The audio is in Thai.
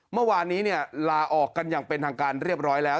เมื่อวานนี้ลาออกกันอย่างเป็นทางการเรียบร้อยแล้ว